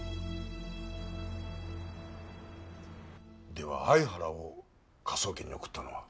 では相原を科捜研に送ったのは。